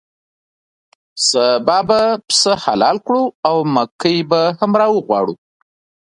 سبا به پسه حلال کړو او مکۍ به هم راوغواړو.